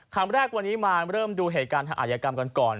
คำแรกวันนี้มาเริ่มดูเหตุการณ์ทางอายกรรมกันก่อน